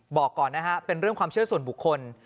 บอกก่อนนะฮะเป็นเรื่องความเชื่อส่วนบุคคล